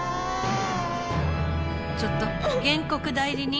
ちょっと原告代理人？